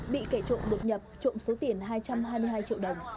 bị kẻ trộm đột nhập trộm số tiền hai trăm hai mươi hai triệu đồng